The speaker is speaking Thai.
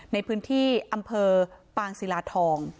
ในพื้นที่อำเภอปางศิลาทอง